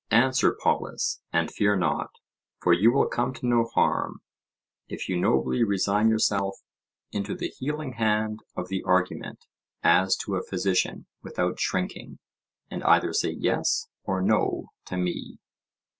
Answer, Polus, and fear not; for you will come to no harm if you nobly resign yourself into the healing hand of the argument as to a physician without shrinking, and either say "Yes" or "No" to me.